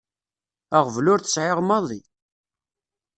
Aɣbel ur t-sɛiɣ maḍi.